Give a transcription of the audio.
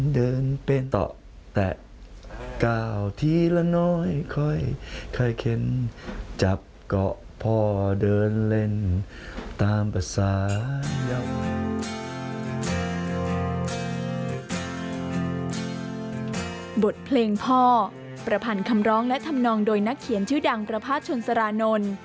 บทเพลงพ่อประพันธ์คำร้องและทำนองโดยนักเขียนชื่อดังประพาทชนสรานนท์